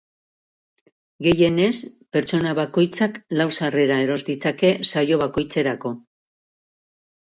Gehienez, pertsona bakoitzak lau sarrera eros ditzake saio bakoitzerako.